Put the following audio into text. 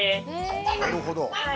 なるほど。